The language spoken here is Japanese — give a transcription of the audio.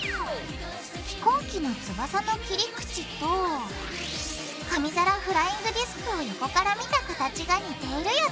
飛行機の翼の切り口と紙皿フライングディスクを横から見た形が似ているよね